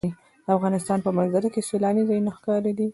د افغانستان په منظره کې سیلانی ځایونه ښکاره ده.